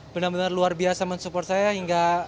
benar benar luar biasa men support saya hingga